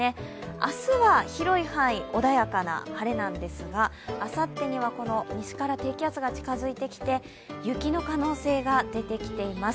明日は広い範囲、穏やかな晴れなんですがあさってには西から低気圧が近づいてきて雪の可能性が出てきています。